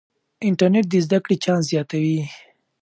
انټرنیټ د زده کړې چانس زیاتوي.